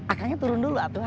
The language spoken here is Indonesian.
akannya turun dulu atuh